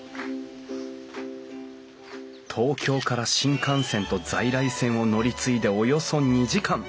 東京から新幹線と在来線を乗り継いでおよそ２時間。